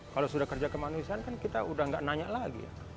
kalau sudah kerja kemanusiaan kan kita udah gak nanya lagi ya